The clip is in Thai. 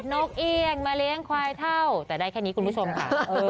นกเอี่ยงมาเลี้ยงควายเท่าแต่ได้แค่นี้คุณผู้ชมค่ะ